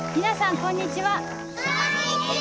こんにちは！